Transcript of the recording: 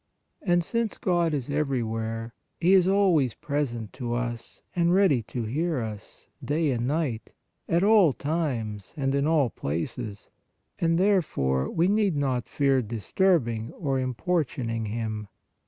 And since God is everywhere, He is always present to us and ready to hear us, day and night, at all times and in all places, and therefore we need not fear disturbing or importuning Him.